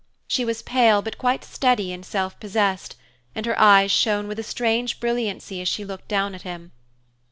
She was pale, but quite steady and self possessed, and her eyes shone with a strange brilliancy as she looked down at him.